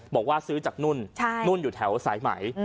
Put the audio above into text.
บอกว่าซื้อจากนุ่นนุ่นอยู่แถวสายไหม